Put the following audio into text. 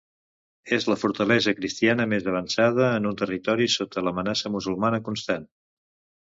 És la fortalesa cristiana més avançada en un territori sota l'amenaça musulmana constant.